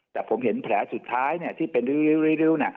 แต่ผมเห็นแผลสุดท้ายที่เป็นริ้ว